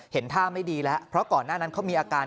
เห็นท่าไม่ดีแล้วเพราะก่อนหน้านั้นเขามีอาการ